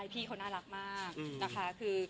พี่เขาน่ารักมากนะคะ